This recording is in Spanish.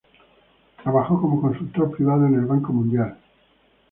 Trabajó como consultor privado en el Banco Mundial.